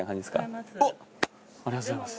ありがとうございます。